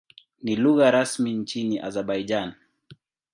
Ni lugha rasmi nchini Azerbaijan.